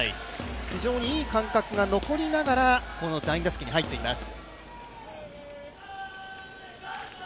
非常にいい感覚が残りながら第２打席に入っています。